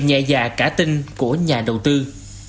nhưng đặc điểm chung vẫn là đánh vào lòng tham gia